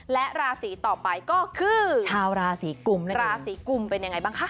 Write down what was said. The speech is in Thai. และราศีต่อไปก็คือชาวราศีกุมราศีกุมเป็นยังไงบ้างคะ